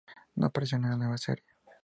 No apareció en la nueva serie.